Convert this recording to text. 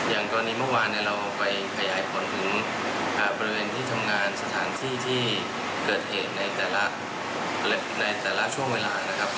อย่างกรณีเมื่อวานเราไปขยายผลถึงบริเวณที่ทำงานสถานที่ที่เกิดเหตุในแต่ละช่วงเวลานะครับ